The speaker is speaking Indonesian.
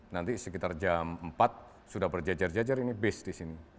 nanti sekitar jam empat sudah berjejar jajar ini base di sini